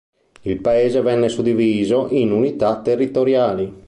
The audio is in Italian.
Il paese venne suddiviso in unità territoriali.